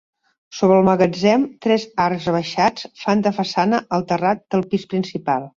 Sobre el magatzem tres arcs rebaixats fan de façana al terrat del pis principal.